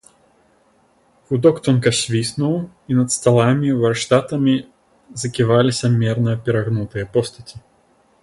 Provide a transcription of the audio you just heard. Гудок тонка свіснуў, і над сталамі, варштатамі заківаліся мерна перагнутыя постаці.